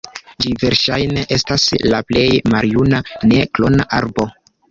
Ĝi verŝajne estas la plej maljuna ne-klona arbo.